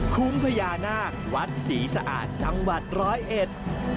คุ้มพญานาควัดศรีสะอาดจังหวัดร้อยเอ็ด